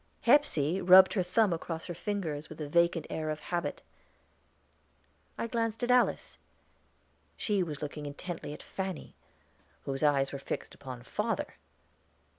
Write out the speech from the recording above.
Hepsey rubbed her thumb across her fingers with the vacant air of habit. I glanced at Alice; she was looking intently at Fanny, whose eyes were fixed upon father.